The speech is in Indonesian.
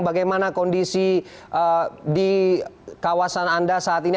bagaimana kondisi di kawasan anda saat ini